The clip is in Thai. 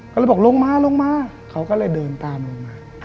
ก็เลยบอกลงมาลงมาเขาก็เลยเดินตามลงมา